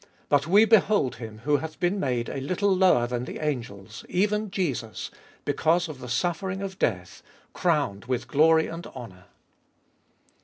9. But we behold Him who hath been made a Little lower than the angels, even Jesus, because of the suffering of death crowned with glory and honour.